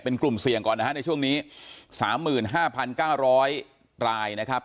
เป็นกลุ่มเสี่ยงก่อนนะฮะในช่วงนี้สามหมื่นห้าพันเก้าร้อยรายนะครับ